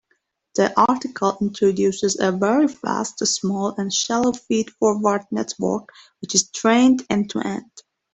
The article introduces a very fast, small, and shallow feed-forward network which is trained end-to-end.